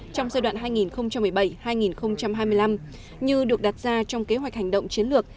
trong giai đoạn hai nghìn một mươi bảy hai nghìn hai mươi năm như được đặt ra trong kế hoạch hành động chiến lược